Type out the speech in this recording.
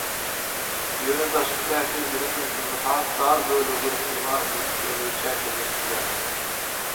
Ýöne daşky täsir, biziň ünsümizi has dar bölege gönükdirmek arkaly pikirimizi çäklendirip biler.